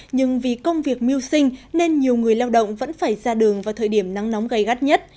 nhưng vì công việc mưu sinh nên nhiều người lao động vẫn phải ra đường vào thời điểm nắng nóng gây gắt nhất